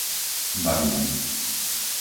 Babinec